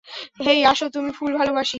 হেই, আসো - আমি ফুল ভালোবাসি।